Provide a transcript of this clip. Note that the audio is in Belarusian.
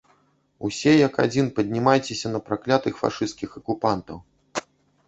Усе, як адзін, паднімайцеся на праклятых фашысцкіх акупантаў!